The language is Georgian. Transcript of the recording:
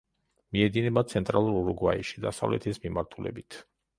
მიედინება ცენტრალურ ურუგვაიში, დასავლეთის მიმართულებით.